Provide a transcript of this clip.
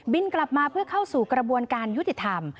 กลับมาเพื่อเข้าสู่กระบวนการยุติธรรม